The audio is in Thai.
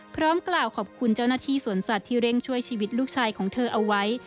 พร้อมกล่าวขอบคุณเจ้าหน้าที่สวนสัตว์ที่เร่งช่วยชีวิตลูกชายของเธอเอาไว้